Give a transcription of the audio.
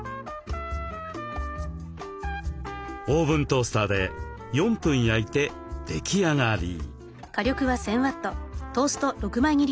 オーブントースターで４分焼いて出来上がり。